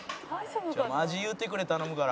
「味言うてくれ頼むから」